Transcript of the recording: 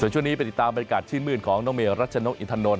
ช่วงนี้ไปติดตามบริการชื่นมื่นของน้องเหมียวรัชนกอิณฑนน